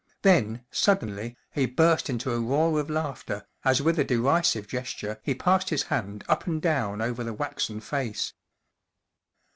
Then, suddenly, he burst into a roar of laughter, as with a derisive gesture he passed his hand up and down over the waxen face.